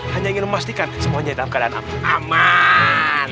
hanya ingin memastikan semuanya dalam keadaan aman